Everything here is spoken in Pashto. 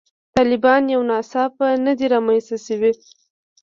طالبان یو ناڅاپه نه دي رامنځته شوي.